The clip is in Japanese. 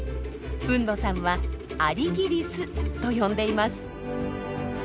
海野さんは「アリギリス」と呼んでいます。